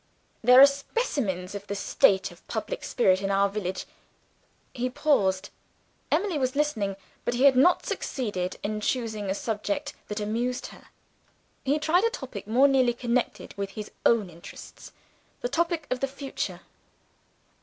There are specimens of the state of public spirit in our village!" He paused. Emily was listening but he had not succeeded in choosing a subject that amused her. He tried a topic more nearly connected with his own interests; the topic of the future.